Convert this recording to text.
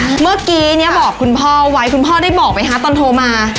เพราะเมื่อกี้ก็บอกคุณพ่อไว้คุณพ่อได้บอกไว้ฮะตอนโทรมา